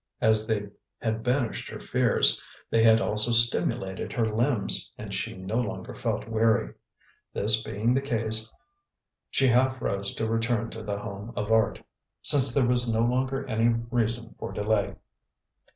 As they had banished her fears, they had also stimulated her limbs, and she no longer felt weary. This being the case, she half rose to return to The Home of Art, since there was no longer any reason for delay.